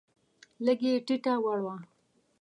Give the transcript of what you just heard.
لږ یې ټیټه وړوه.